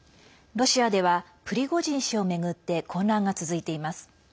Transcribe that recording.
ロシアではプリゴジン氏を巡って混乱が続いています。